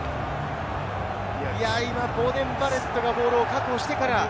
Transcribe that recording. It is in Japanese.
ボーデン・バレットがボールを確保してから。